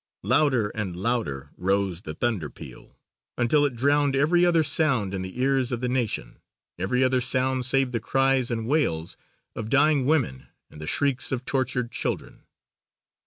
Louder and louder rose the thunder peal until it drowned every other sound in the ears of the nation, every other sound save the cries and wails of dying women and the shrieks of tortured children.